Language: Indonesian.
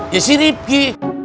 ya si ripki